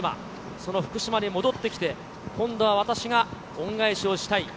その福島に戻ってきて、今度は私が恩返しをしたい。